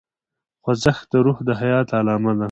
خوځښت د روح د حیات علامه ده.